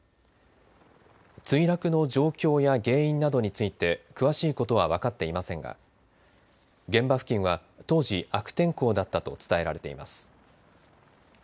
墜落の状況や原因などについて詳しいことは分かっていませんが現場付近は当時悪天候だったと伝えられています。